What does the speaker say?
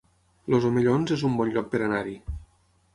Els Omellons es un bon lloc per anar-hi